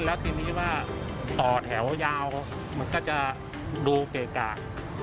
แล้วทีนี้ว่าต่อแถวยาวมันก็จะดูเกะกะ